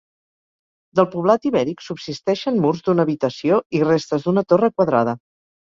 Del poblat ibèric subsisteixen murs d'una habitació i restes d'una torre quadrada.